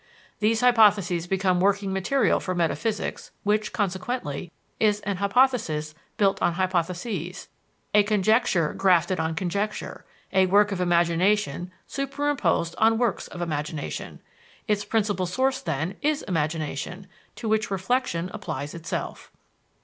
These hypotheses become working material for metaphysics which, consequently, is an hypothesis built on hypotheses, a conjecture grafted on conjecture, a work of imagination superimposed on works of imagination. Its principal source, then, is imagination, to which reflection applies itself.